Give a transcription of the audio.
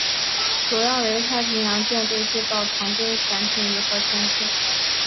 主要为太平洋舰队制造常规潜艇与核潜艇。